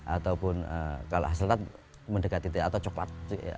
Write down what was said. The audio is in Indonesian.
ataupun kalau hasrat mendekati atau coklat